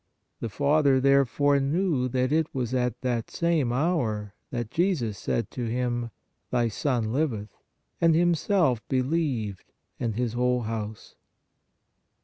The father therefore knew that it was at that same hour that Jesus said to him: Thy son liveth, and himself believed and his whole house."